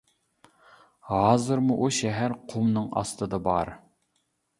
ھازىرمۇ ئۇ شەھەر قۇمنىڭ ئاستىدا بار.